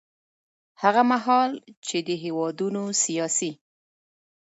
هغه مهال چې دې هېوادونو سیاسي